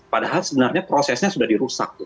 padahal sebenarnya prosesnya sudah dirusak tuh